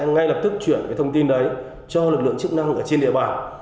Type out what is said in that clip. ngay lập tức chuyển thông tin đấy cho lực lượng chức năng ở trên địa bàn